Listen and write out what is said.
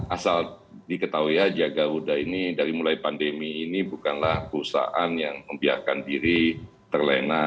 asal diketahui aja garuda ini dari mulai pandemi ini bukanlah perusahaan yang membiarkan diri terlena